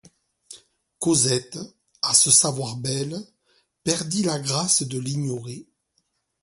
Cosette, à se savoir belle, perdit la grâce de l'ignorer.